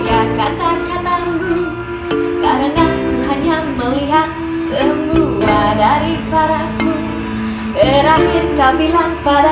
aku ingin menjelang selamat tinggal